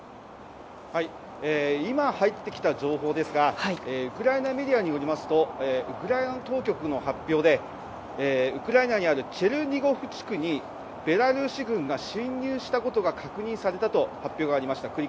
今入ってきた情報ですがウクライナメディアによりますとウクライナ当局の発表でウクライナにあるチェルニゴフ地区にベラルーシ軍が進入したことが確認されたと発表がありました。